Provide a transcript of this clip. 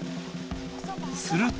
すると。